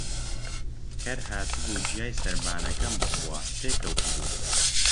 کەر هاتبوو گیای سەربانەکەم بخوا، تێکەوتبوو